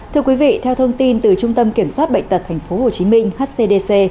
thưa quý vị theo thông tin từ trung tâm kiểm soát bệnh tật tp hcm hcdc